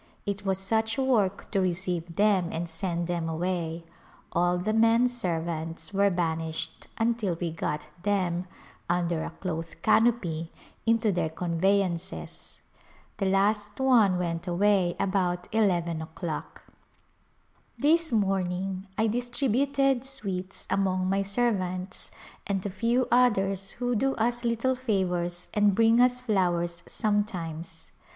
It was such work to receive them and send them away ; all the men servants were banished until we got them — under a cloth canopy — into their convey ances. The last one went away about eleven o'clock. This morning I distributed sweets among my serv ants and a few others who do us little favors and bring us flowers sometimes.